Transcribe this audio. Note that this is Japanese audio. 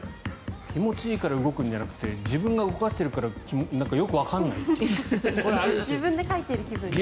気持ちいいから動くんじゃなくて自分で動かしているからよくわからなくなっているという。